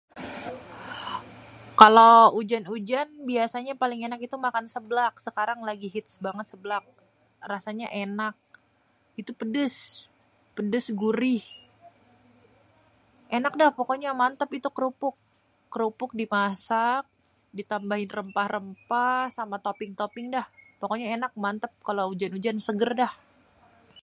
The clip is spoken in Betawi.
kalo ujan ujann biasanyê itu makan sêblak kalo sekarang lagi hith banget sêblak rasanyê ènak itu pedês pedês gurih ènak dêh pokoknya mantêp kerupuk kerupuk dimasak ditambahrin rèmpah rèmpah sama toping toping dah pokoknya ènak mantêp kalo ujan ujann segèr dah.